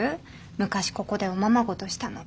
昔ここでおままごとしたの。